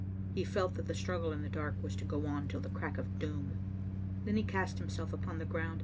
He felt that the strug* gle in the dark was to go on till the crack of doom. Then he cast himself upon the ground.